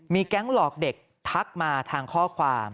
แก๊งหลอกเด็กทักมาทางข้อความ